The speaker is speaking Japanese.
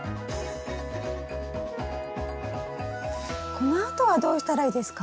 このあとはどうしたらいいですか？